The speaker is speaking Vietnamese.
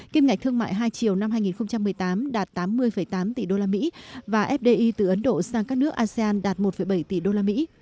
kim ngạch thương mại hai chiều năm hai nghìn một mươi tám đạt tám mươi tám tỷ usd và fdi từ ấn độ sang các nước asean đạt một bảy tỷ usd